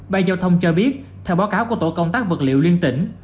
bay giao thông cho biết theo báo cáo của tổ công tác vật liệu liên tỉnh